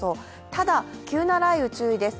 ただ、急な雷雨、注意です。